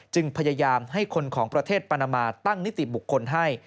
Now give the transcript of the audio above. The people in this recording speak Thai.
พยายามให้คนของประเทศปานามาตั้งนิติบุคคลให้